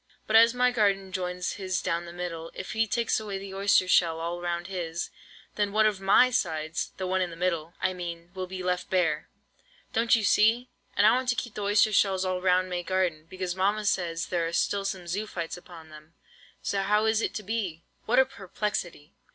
But as my garden joins his down the middle, if he takes away the oyster shells all round his, then one of my sides—the one in the middle, I mean—will be left bare, don't you see? and I want to keep the oyster shells all round may garden, because mamma says there are still some zoophytes upon them. So how is it to be?" What a perplexity!